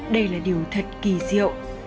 đây là điều thật kỳ diệu